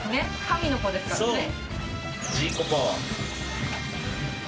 神の子ですからね。